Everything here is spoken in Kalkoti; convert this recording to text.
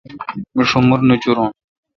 تی ݭومر نوچورون۔